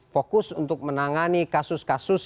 fokus untuk menangani kasus kasus